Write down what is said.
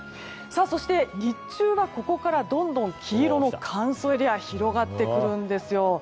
そして、日中はここからどんどん黄色の乾燥エリアが広がってくるんですよ。